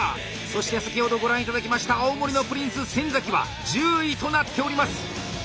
そして先ほどご覧頂きました青森のプリンス・先は１０位となっております。